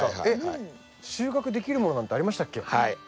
収穫できるものなんてありましたっけ？